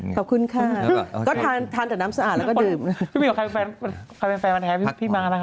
ถ้าเป็นใครรู้จักกับเขา